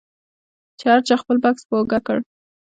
هر چا خپل بکس په اوږه کړ.